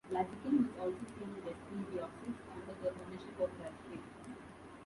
Blaziken was also seen in "Destiny Deoxys" under the ownership of Rafe.